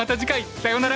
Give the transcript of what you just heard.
さようなら！